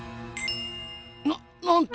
ななんと！